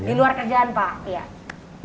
di luar kerjaan pak